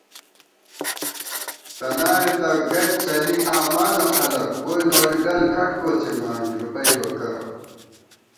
سناڑےتہ گئیت څلِی آمانہ خلَک، ووئی نوری ڈل کھٹ کوَڅِمان ݫُپئیبہ کرہ